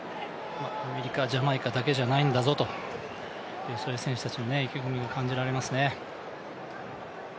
アメリカ、ジャマイカだけじゃないんだぞと、選手たちの意気込みも感じられますね。